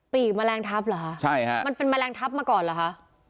แมลงทับเหรอคะใช่ฮะมันเป็นแมลงทับมาก่อนเหรอคะ